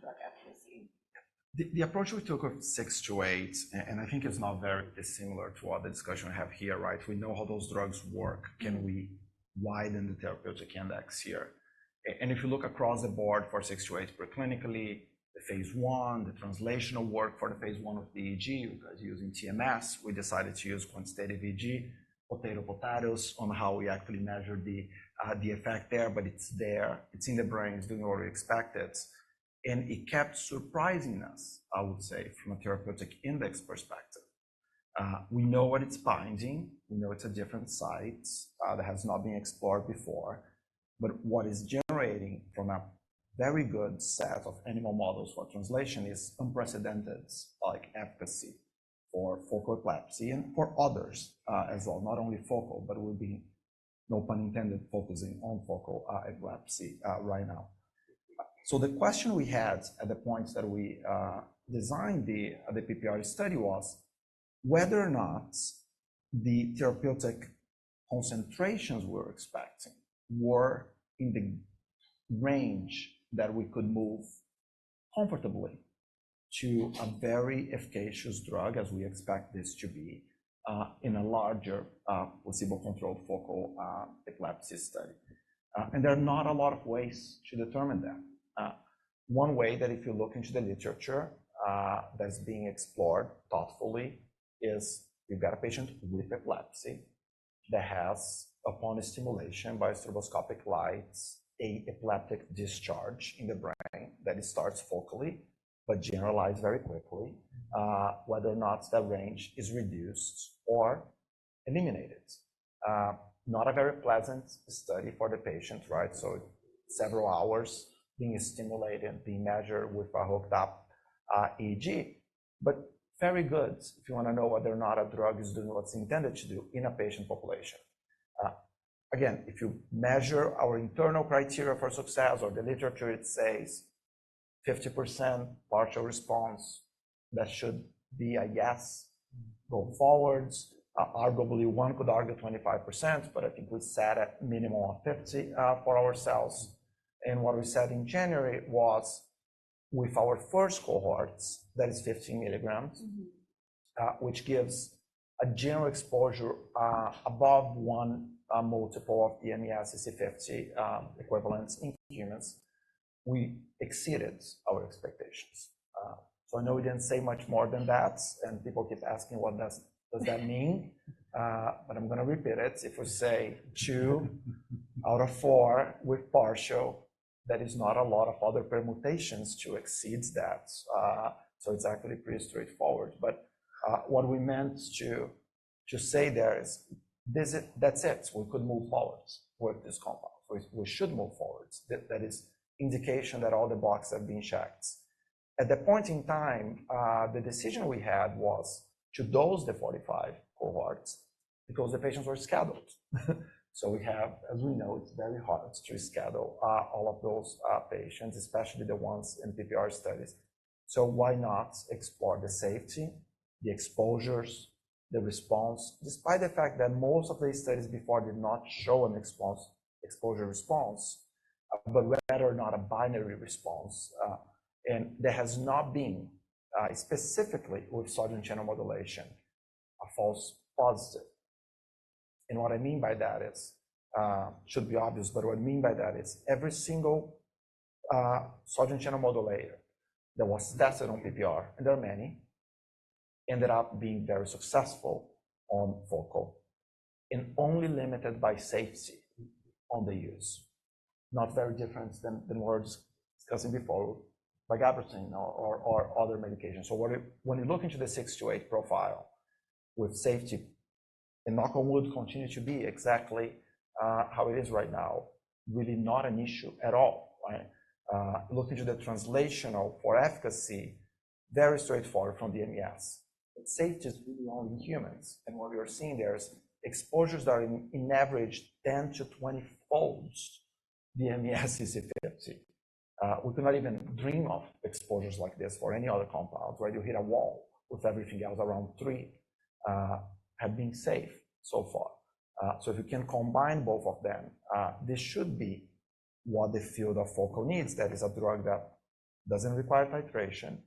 drug efficacy? The approach we took of 628, and I think it's not very dissimilar to what the discussion we have here, right? We know how those drugs work. Can we widen the therapeutic index here? If you look across the board for 628 preclinically, the phase I, the translational work for the phase I of the EEG, because using TMS, we decided to use quantitative EEG, po-tay-to po-tah-to, on how we actually measure the effect there. But it's there. It's in the brain. It's doing what we expected. It kept surprising us, I would say, from a therapeutic index perspective. We know what it's binding. We know it's a different site that has not been explored before. But what it's generating from a very good set of animal models for translation is unprecedented efficacy for focal epilepsy and for others as well, not only focal, but we'll be no pun intended focusing on focal epilepsy right now. So the question we had at the point that we designed the PPR study was whether or not the therapeutic concentrations we were expecting were in the range that we could move comfortably to a very efficacious drug, as we expect this to be, in a larger placebo-controlled focal epilepsy study. And there are not a lot of ways to determine that. One way that if you look into the literature that's being explored thoughtfully is you've got a patient with epilepsy that has, upon stimulation by stroboscopic lights, an epileptic discharge in the brain that starts focally but generalizes very quickly, whether or not that range is reduced or eliminated. Not a very pleasant study for the patient, right? So several hours being stimulated, being measured with a hooked-up EEG, but very good if you want to know whether or not a drug is doing what it's intended to do in a patient population. Again, if you measure our internal criteria for success, or the literature it says, 50% partial response, that should be a yes. Go forwards. Arguably, one could argue 25%, but I think we set a minimum of 50 for ourselves. What we said in January was, with our first cohorts, that is 15 milligrams, which gives a general exposure above 1 multiple of the MES-EC50 equivalents in humans, we exceeded our expectations. So I know we didn't say much more than that. People keep asking, what does that mean? But I'm going to repeat it. If we say 2 out of 4 with partial, that is not a lot of other permutations to exceed that. So it's actually pretty straightforward. But what we meant to say there is, that's it. We could move forward with this compound. We should move forward. That is indication that all the boxes have been checked. At the point in time, the decision we had was to dose the 45 cohorts because the patients were scheduled. So we have, as we know, it's very hard to reschedule all of those patients, especially the ones in PPR studies. So why not explore the safety, the exposures, the response, despite the fact that most of the studies before did not show an exposure response, but rather not a binary response? And there has not been, specifically with sodium channel modulation, a false positive. And what I mean by that is, should be obvious, but what I mean by that is, every single sodium channel modulator that was tested on PPR, and there are many, ended up being very successful on focal and only limited by safety on the use, not very different than what I was discussing before, vigabatrin or other medications. So when you look into the 628 profile with safety, and knock on wood, continue to be exactly how it is right now, really not an issue at all. Look into the translational for efficacy, very straightforward from the MES. Safety is really only humans. And what we are seeing there is exposures that are, on average, 10-20-fold the MES-EC50. We cannot even dream of exposures like this for any other compounds, right? You hit a wall with everything else. Around three have been safe so far. So if you can combine both of them, this should be what the field of focal needs. That is a drug that doesn't require titration.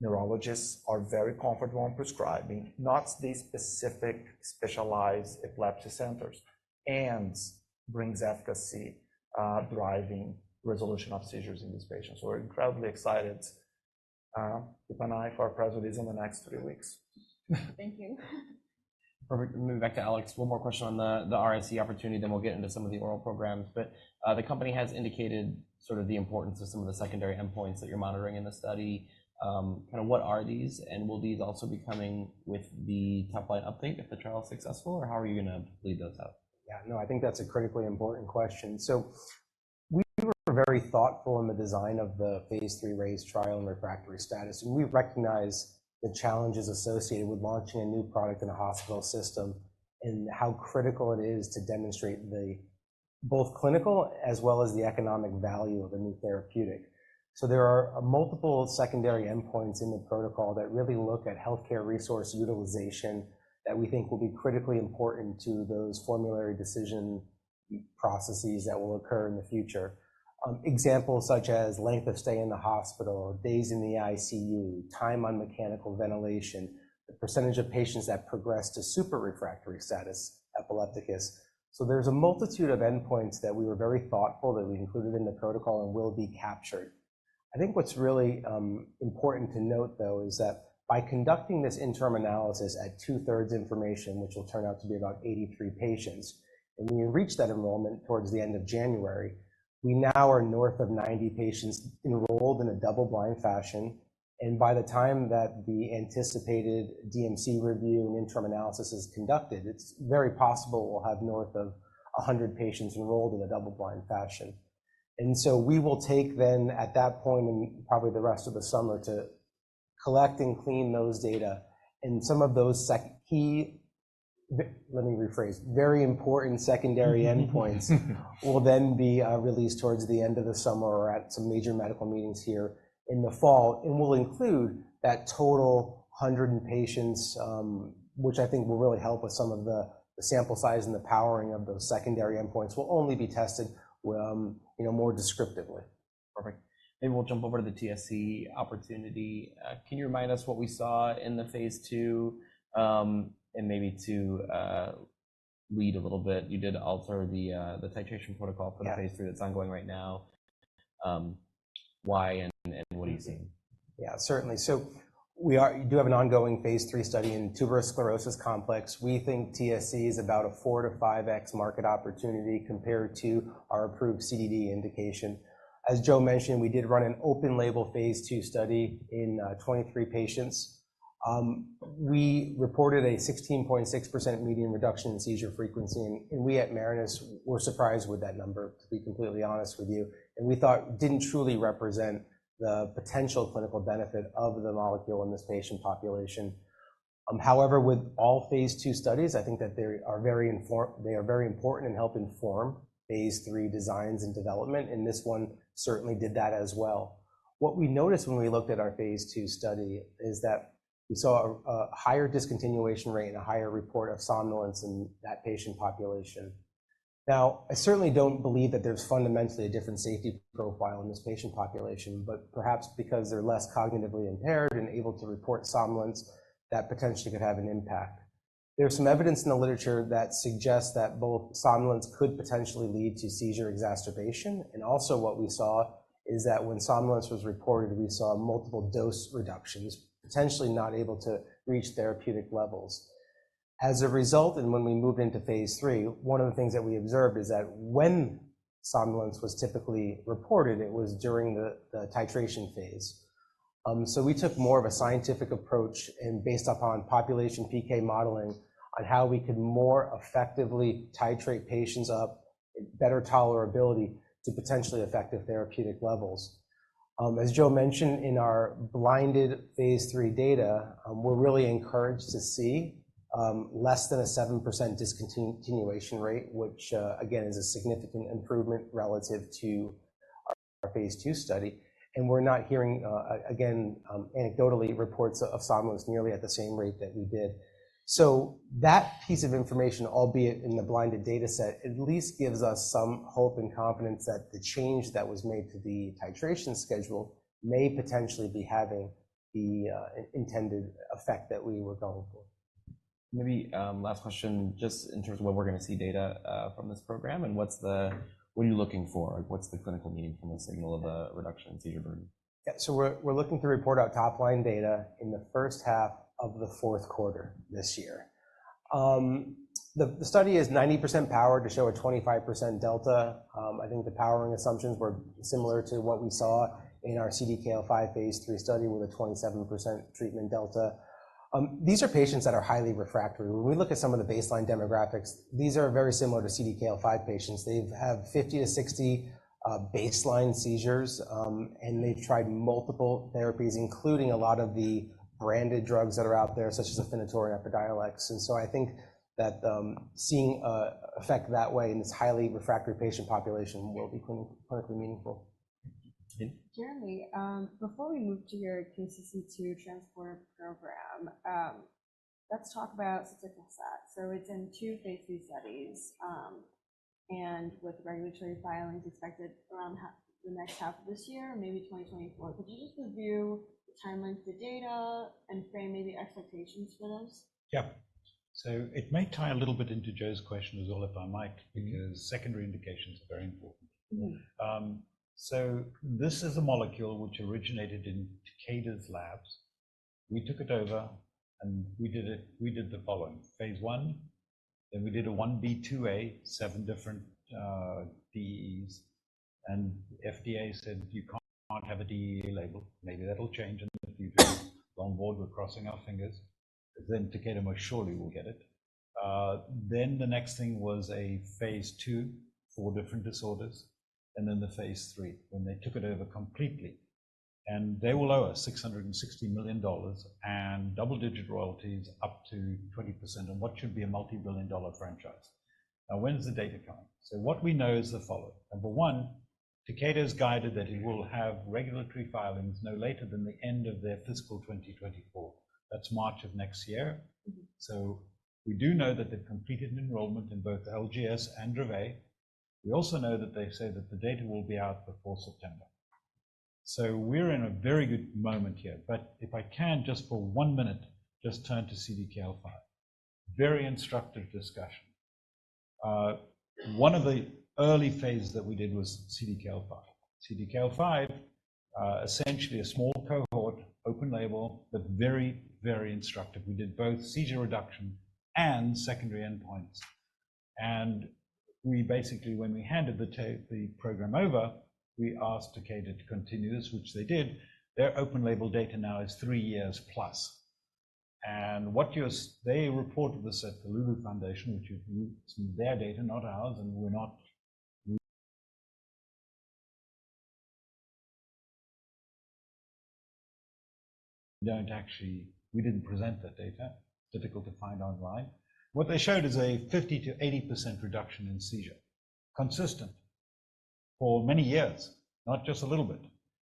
Neurologists are very comfortable on prescribing, not these specific specialized epilepsy centers, and brings efficacy, driving resolution of seizures in these patients. So we're incredibly excited. Keep an eye for our president in the next three weeks. Thank you. Perfect. Moving back to Alex, one more question on the RSE opportunity, then we'll get into some of the oral programs. But the company has indicated sort of the importance of some of the secondary endpoints that you're monitoring in the study. Kind of what are these? And will these also be coming with the top-line update if the trial is successful, or how are you going to lead those out? Yeah. No, I think that's a critically important question. So we were very thoughtful in the design of the phase III RAISE trial in refractory status epilepticus. And we recognize the challenges associated with launching a new product in a hospital system and how critical it is to demonstrate both clinical as well as the economic value of a new therapeutic. So there are multiple secondary endpoints in the protocol that really look at healthcare resource utilization that we think will be critically important to those formulary decision processes that will occur in the future. Examples such as length of stay in the hospital, days in the ICU, time on mechanical ventilation, the percentage of patients that progress to super-refractory status epilepticus. So there's a multitude of endpoints that we were very thoughtful that we included in the protocol and will be captured. I think what's really important to note, though, is that by conducting this interim analysis at two-thirds information, which will turn out to be about 83 patients, and we reach that enrollment towards the end of January, we now are north of 90 patients enrolled in a double-blind fashion. By the time that the anticipated DMC review and interim analysis is conducted, it's very possible we'll have north of 100 patients enrolled in a double-blind fashion. So we will take then at that point, and probably the rest of the summer, to collect and clean those data. Some of those key—let me rephrase—very important secondary endpoints will then be released towards the end of the summer or at some major medical meetings here in the fall. We'll include that total 100 patients, which I think will really help with some of the sample size and the powering of those secondary endpoints will only be tested more descriptively. Perfect. Maybe we'll jump over to the TSC opportunity. Can you remind us what we saw in the phase II? And maybe to lead a little bit, you did alter the titration protocol for the phase III that's ongoing right now. Why and what do you see? Yeah, certainly. So we do have an ongoing phase III study in Tuberous Sclerosis Complex. We think TSC is about a 4-5x market opportunity compared to our approved CDD indication. As Joe mentioned, we did run an open-label phase II study in 23 patients. We reported a 16.6% median reduction in seizure frequency. And we at Marinus were surprised with that number, to be completely honest with you. And we thought it didn't truly represent the potential clinical benefit of the molecule in this patient population. However, with all phase II studies, I think that they are very important and help inform phase III designs and development. And this one certainly did that as well. What we noticed when we looked at our phase II study is that we saw a higher discontinuation rate and a higher report of somnolence in that patient population. Now, I certainly don't believe that there's fundamentally a different safety profile in this patient population, but perhaps because they're less cognitively impaired and able to report somnolence, that potentially could have an impact. There's some evidence in the literature that suggests that both somnolence could potentially lead to seizure exacerbation. And also what we saw is that when somnolence was reported, we saw multiple dose reductions, potentially not able to reach therapeutic levels. As a result, and when we moved into phase three, one of the things that we observed is that when somnolence was typically reported, it was during the titration phase. So we took more of a scientific approach and based upon population PK modeling on how we could more effectively titrate patients up, better tolerability to potentially effective therapeutic levels. As Joe mentioned, in our blinded phase III data, we're really encouraged to see less than a 7% discontinuation rate, which, again, is a significant improvement relative to our phase II study. We're not hearing, again, anecdotally, reports of somnolence nearly at the same rate that we did. That piece of information, albeit in the blinded data set, at least gives us some hope and confidence that the change that was made to the titration schedule may potentially be having the intended effect that we were going for. Maybe last question, just in terms of when we're going to see data from this program, and what are you looking for? What's the clinical meaning from the signal of a reduction in seizure burden? Yeah. So we're looking to report our top-line data in the first half of the fourth quarter this year. The study is 90% powered to show a 25% delta. I think the powering assumptions were similar to what we saw in our CDKL5 phase III study with a 27% treatment delta. These are patients that are highly refractory. When we look at some of the baseline demographics, these are very similar to CDKL5 patients. They have 50-60 baseline seizures, and they've tried multiple therapies, including a lot of the branded drugs that are out there, such as Epidiolex. And so I think that seeing an effect that way in this highly refractory patient population will be clinically meaningful. Jeremy, before we move to your KCC2 transport program, let's talk about Soticlestat. It's in two phase three studies. With regulatory filings expected around the next half of this year, maybe 2024, could you just review the timeline, the data, and frame maybe expectations for those? Yeah. So it might tie a little bit into Joe's question as well, if I might, because secondary indications are very important. So this is a molecule which originated in Takeda's labs. We took it over, and we did the following: phase I, then we did a 1b/2a, 7 different DEEs. And FDA said, "You can't have a DEE label. Maybe that'll change in the future. Longboard, we're crossing our fingers." Then Takeda most surely will get it. Then the next thing was a phase II, IV different disorders, and then the phase III, when they took it over completely. And they will owe us $660 million and double-digit royalties up to 20% on what should be a multi-billion dollar franchise. Now, when's the data coming? So what we know is the following. Number one, Takeda is guided that it will have regulatory filings no later than the end of their fiscal 2024. That's March of next year. So we do know that they've completed enrollment in both the LGS and Dravet. We also know that they say that the data will be out before September. So we're in a very good moment here. But if I can, just for one minute, just turn to CDKL5. Very instructive discussion. One of the early phases that we did was CDKL5. CDKL5, essentially a small cohort, open label, but very, very instructive. We did both seizure reduction and secondary endpoints. And basically, when we handed the program over, we asked Takeda to continue this, which they did. Their open label data now is three years plus. And they reported this at the Lulu Foundation, which is their data, not ours. And we're not. We didn't actually present that data. It's difficult to find online. What they showed is a 50%-80% reduction in seizure, consistent for many years, not just a little bit.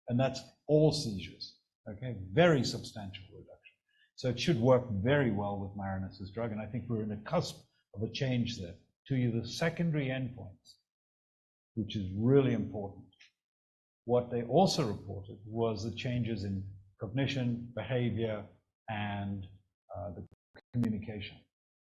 And that's all seizures, okay? Very substantial reduction. So it should work very well with Marinus's drug. And I think we're on the cusp of a change there. Now, the secondary endpoints, which is really important, what they also reported was the changes in cognition, behavior, and the communication.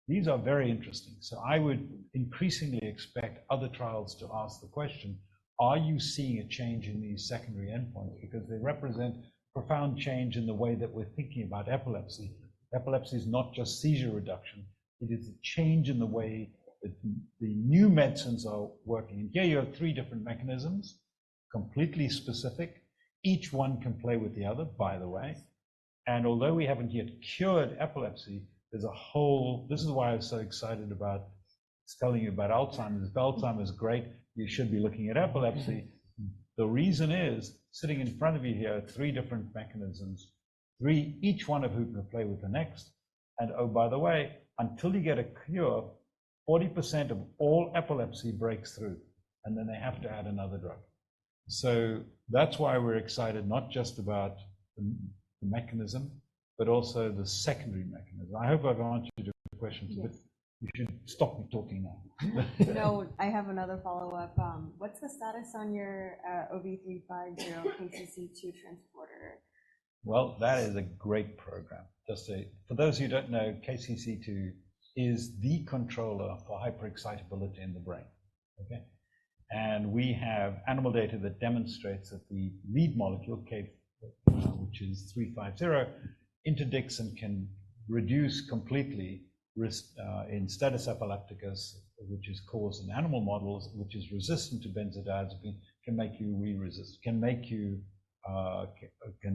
These are very interesting. So I would increasingly expect other trials to ask the question, "Are you seeing a change in these secondary endpoints?" Because they represent profound change in the way that we're thinking about epilepsy. Epilepsy is not just seizure reduction. It is a change in the way that the new medicines are working. And here, you have three different mechanisms, completely specific. Each one can play with the other, by the way. Although we haven't yet cured epilepsy, there's a whole this is why I was so excited about telling you about Alzheimer's. If Alzheimer's is great, you should be looking at epilepsy. The reason is sitting in front of you here, three different mechanisms, each one of whom can play with the next. Oh, by the way, until you get a cure, 40% of all epilepsy breaks through. Then they have to add another drug. That's why we're excited, not just about the mechanism, but also the secondary mechanism. I hope I've answered your questions. You should stop me talking now. No, I have another follow-up. What's the status on your OV350 KCC2 transporter? Well, that is a great program. For those who don't know, KCC2 is the controller for hyperexcitability in the brain, okay? And we have animal data that demonstrates that the lead molecule, which is 350, interdicts and can reduce completely in status epilepticus, which is caused in animal models, which is resistant to benzodiazepines, can make you re-resistant, can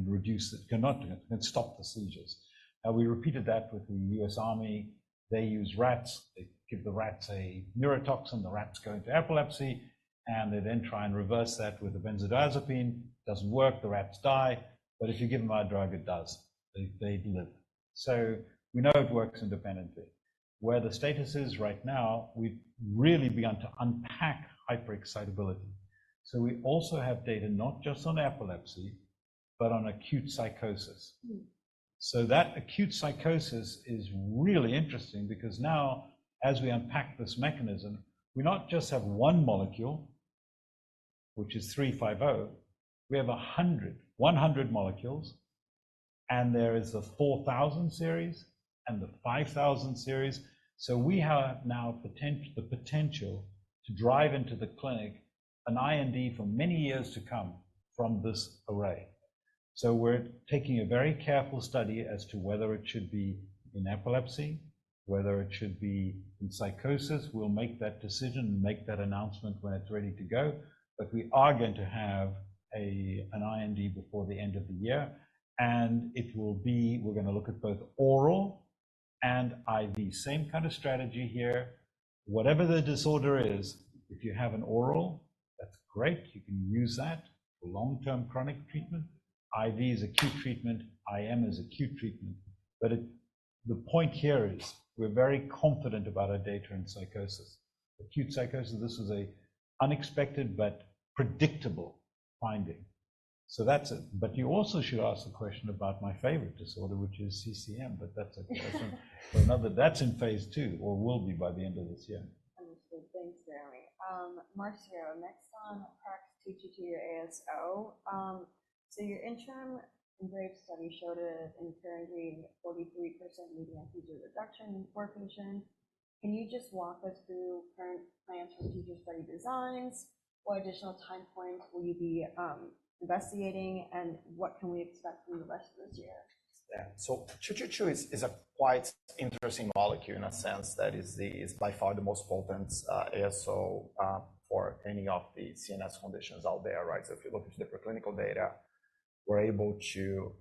reduce it, can stop the seizures. Now, we repeated that with the U.S. Army. They use rats. They give the rats a neurotoxin. The rats go into epilepsy, and they then try and reverse that with the benzodiazepine. It doesn't work. The rats die. But if you give them our drug, it does. They live. So we know it works independently. Where the status is right now, we've really begun to unpack hyperexcitability. So we also have data not just on epilepsy, but on acute psychosis. So that acute psychosis is really interesting because now, as we unpack this mechanism, we not just have 1 molecule, which is 350. We have 100 molecules. There is the 4000 series and the 5000 series. So we have now the potential to drive into the clinic an IND for many years to come from this array. We're taking a very careful study as to whether it should be in epilepsy, whether it should be in psychosis. We'll make that decision and make that announcement when it's ready to go. But we are going to have an IND before the end of the year. And it will be; we're going to look at both oral and IV, same kind of strategy here. Whatever the disorder is, if you have an oral, that's great. You can use that for long-term chronic treatment. IV is acute treatment. IM is acute treatment. But the point here is we're very confident about our data in psychosis. Acute psychosis, this was an unexpected but predictable finding. So that's it. But you also should ask the question about my favorite disorder, which is CCM. But that's a question for another. That's in phase two or will be by the end of this year. Understood. Thanks, Jeremy. Marcio, next on Praxis T-Type or ASO. So your interim EMBOLD study showed an interim 43% median seizure reduction for patients. Can you just walk us through current plans for future study designs? What additional time points will you be investigating, and what can we expect from the rest of this year? Yeah. So PRAX-222 is a quite interesting molecule in a sense that is by far the most potent ASO for any of the CNS conditions out there, right? So if you look at the preclinical data, we're able to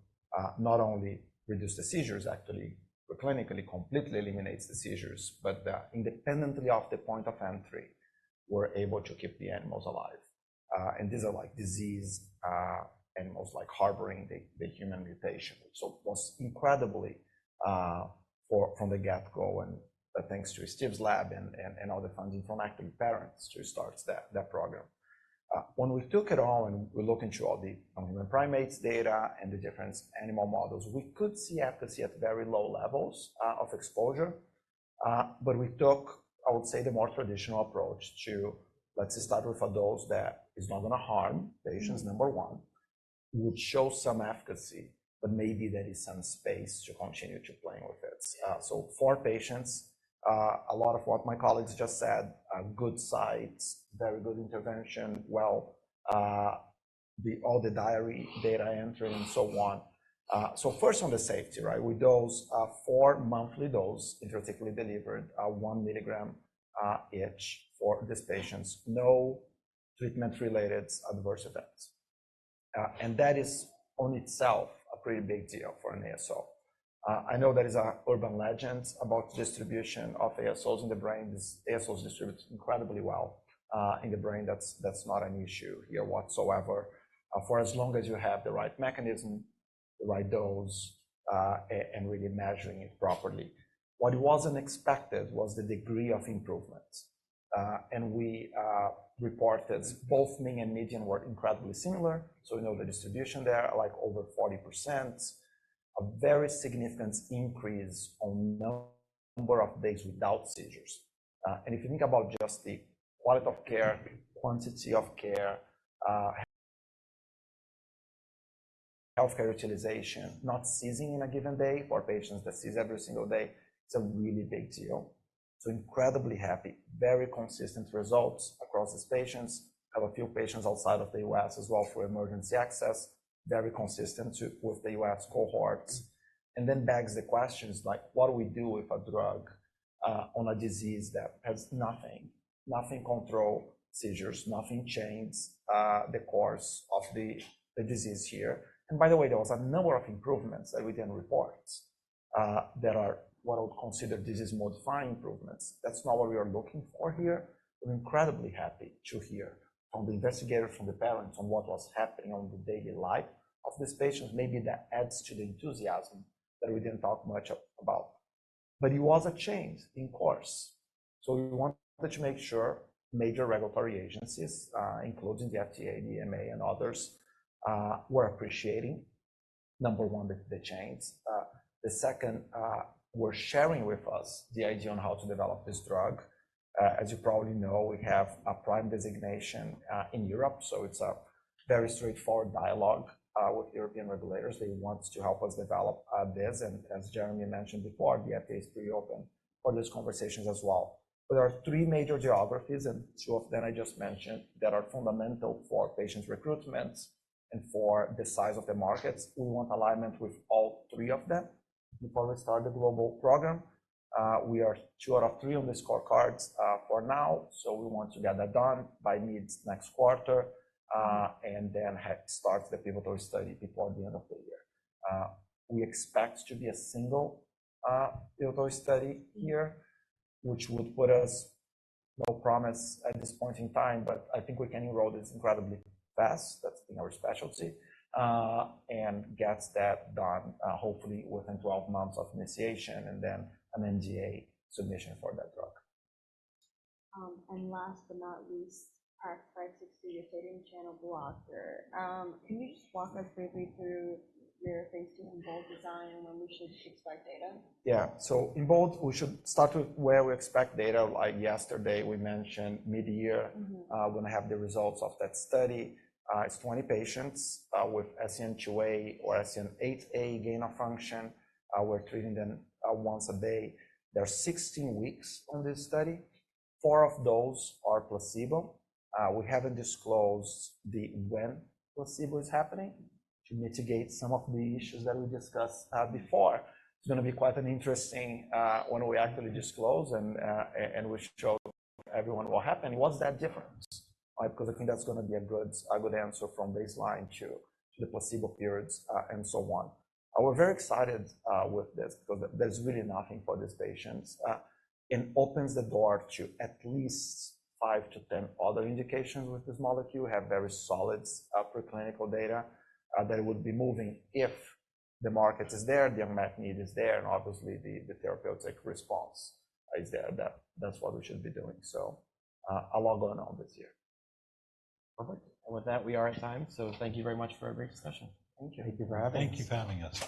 not only reduce the seizures, actually, preclinically completely eliminate the seizures, but independently of the point of entry, we're able to keep the animals alive. And these are disease animals harboring the human mutation. So it was incredible from the get-go. And thanks to Steve's lab and all the funding from actually parents to start that program. When we took it all and we look into all the human primates data and the different animal models, we could see efficacy at very low levels of exposure. But we took, I would say, the more traditional approach to, let's start with adults, that is not going to harm patients, number one, would show some efficacy, but maybe there is some space to continue to play with it. So for patients, a lot of what my colleagues just said, good sites, very good intervention, well, all the diary data entry and so on. So first on the safety, right? We dose 4 monthly doses, intrathecally delivered, 1 milligram each for these patients, no treatment-related adverse effects. And that is in itself a pretty big deal for an ASO. I know there is an urban legend about the distribution of ASOs in the brain. ASOs distribute incredibly well in the brain. That's not an issue here whatsoever. For as long as you have the right mechanism, the right dose, and really measuring it properly, what wasn't expected was the degree of improvement. We reported both mean and median were incredibly similar. We know the distribution there, like over 40%, a very significant increase on the number of days without seizures. If you think about just the quality of care, quantity of care, healthcare utilization, not seizing in a given day for patients that seize every single day, it's a really big deal. Incredibly happy, very consistent results across these patients. Have a few patients outside of the U.S. as well for emergency access, very consistent with the U.S. cohorts. And then begs the questions like, "What do we do with a drug on a disease that has nothing, nothing controls seizures, nothing changes the course of the disease here?" And by the way, there was a number of improvements that we didn't report that are what I would consider disease-modifying improvements. That's not what we are looking for here. We're incredibly happy to hear from the investigators, from the parents, on what was happening on the daily life of these patients. Maybe that adds to the enthusiasm that we didn't talk much about. But it was a change in course. So we wanted to make sure major regulatory agencies, including the FDA, the EMA, and others, were appreciating, number one, the gains. The second, were sharing with us the idea on how to develop this drug. As you probably know, we have a PRIME designation in Europe. It's a very straightforward dialogue with European regulators. They want to help us develop this. As Jeremy mentioned before, the FDA is pretty open for these conversations as well. But there are three major geographies, and two of them I just mentioned, that are fundamental for patient recruitments and for the size of the markets. We want alignment with all three of them before we start the global program. We are two out of three on the scorecards for now. We want to get that done by mid-next quarter and then start the pivotal study before the end of the year. We expect to be a single pivotal study here, which would put us no promise at this point in time. But I think we can enroll this incredibly fast. That's in our specialty and get that done, hopefully, within 12 months of initiation and then an NDA submission for that drug. Last but not least, Praxis' sodium channel blocker. Can you just walk us briefly through your phase II, EMBOLD design, when we should expect data? Yeah. So, Embold, we should start with where we expect data. Like yesterday, we mentioned mid-year, when we have the results of that study, it's 20 patients with SCN2A or SCN8A gain of function. We're treating them once a day. There are 16 weeks on this study. Four of those are placebo. We haven't disclosed when placebo is happening to mitigate some of the issues that we discussed before. It's going to be quite an interesting one when we actually disclose and we show everyone what happened. What's that difference? Because I think that's going to be a good answer from baseline to the placebo periods and so on. I was very excited with this because there's really nothing for these patients and opens the door to at least 5 to 10 other indications with this molecule. We have very solid preclinical data that would be moving if the market is there, the unmet need is there, and obviously, the therapeutic response is there. That's what we should be doing. So a lot going on this year. Perfect. And with that, we are at time. So thank you very much for a great discussion. Thank you. Thank you for having us. Thank you for having us.